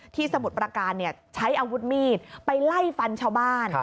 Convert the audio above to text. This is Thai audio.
สมุทรประการใช้อาวุธมีดไปไล่ฟันชาวบ้าน